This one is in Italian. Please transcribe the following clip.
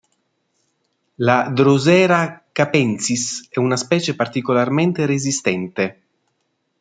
La Drosera capensis è una specie particolarmente resistente.